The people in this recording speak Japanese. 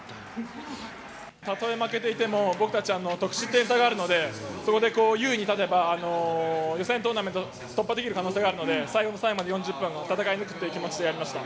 たとえ負けていても、僕たち、得失点差があるので、そこでこう優位に立てば、予選トーナメント突破できる可能性があるので、最後の最後まで４０分、戦い抜く気持ちでやりました。